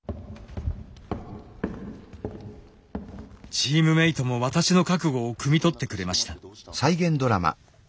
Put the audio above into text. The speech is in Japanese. チームメートも私の覚悟をくみ取ってくれました。